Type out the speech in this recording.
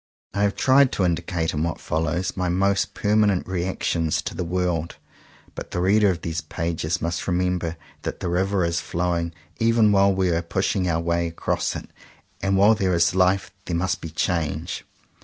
I have tried to indicate, in what follows, my most permanent reactions to the world; but the reader of these pages must remem ber that the river is flowing even while we are pushing our way across it and while there is life there must be change.